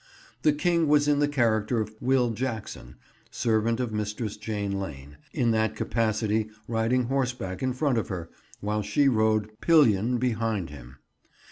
The King was in the character of "Will Jackson," servant of Mistress Jane Lane; in that capacity riding horseback in front of her, while she rode pillion behind him.